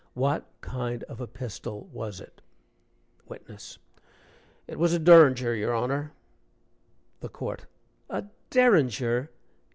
What kind of a pistol was it?" WITNESS. "It was a Durringer, your Honor." THE COURT. "A derringer!